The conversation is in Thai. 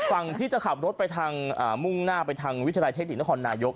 ฝั่งที่จะขับรถไปทางมุ่งหน้าไปทางวิทยาลัยเทคนิคนครนายก